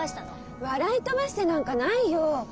笑い飛ばしてなんかないよ！